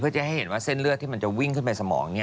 เพื่อจะให้เห็นว่าเส้นเลือดที่มันจะวิ่งขึ้นไปสมอง